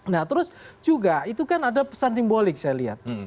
nah terus juga itu kan ada pesan simbolik saya lihat